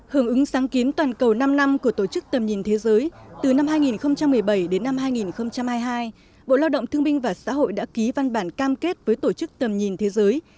hưởng ứng sáng kiến toàn cầu năm năm của tổ chức tầm nhìn thế giới từ năm hai nghìn một mươi bảy đến năm hai nghìn hai mươi hai bộ lao động thương minh và xã hội đã ký văn bản cam kết với tổ chức tầm nhìn thế giới